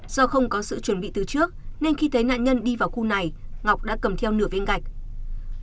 do không có sự chuẩn bị từ trước nên khi thấy nạn nhân đi vào khu này ngọc đã cầm theo nửa viên gạch